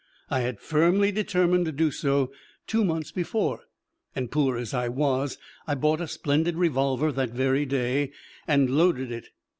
I had firmly determined to do so two months before, and poor as I was, I bought a splendid revolver that very day, and loaded it.